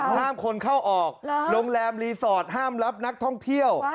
ห้ามคนเข้าออกโรงแรมรีสอร์ทห้ามรับนักท่องเที่ยว